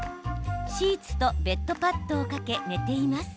シーツとベッドパッドをかけ寝ています。